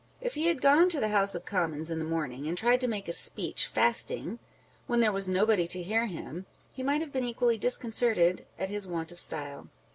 If he had gone to the House of Commons in the morning, and tried to make a speech fasting, when there was nobody to hear him, he might have been equally disconcerted at his want of style.